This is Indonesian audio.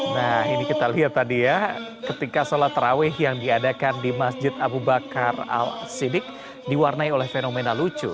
nah ini kita lihat tadi ya ketika sholat terawih yang diadakan di masjid abu bakar al sidik diwarnai oleh fenomena lucu